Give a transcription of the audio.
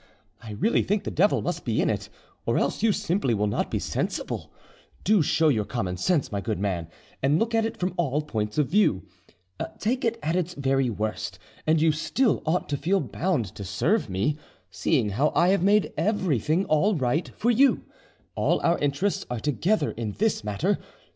I really think the devil must be in it, or else you simply will not be sensible: do show your common sense, my good man, and look at it from all points of view; take it at its very worst, and you still ought to feel bound to serve me, seeing how I have made everything all right for you: all our interests are together in this matter.